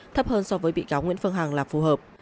thấp hơn so với bị cáo nguyễn phương hằng là phù hợp